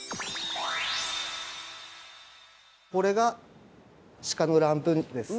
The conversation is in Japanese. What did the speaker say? これが鹿のランプ肉です。